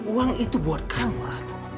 uang itu buat kamu ratu